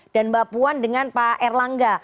dan mbak puan dengan pak erlangga